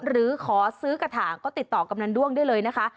หรือขอซื้อกระถางก็ติดต่อกำนันด้วงได้เลยนะคะ